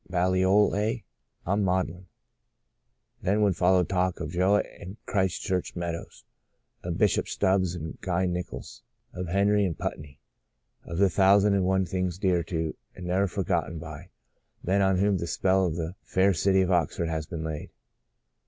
Baliol, eh ? I'm Maudlin." Then would follow talk of Jowett and Christ church Meadows, of Bishop Stubbs and Guy Nickalls, of Henley and Putney, — of the thousand and one things dear to, and never forgotten by, men on whom the spell of the fair city of Oxford has been laid.